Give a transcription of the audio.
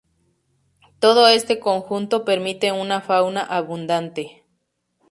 Todo este conjunto permite una fauna abundante.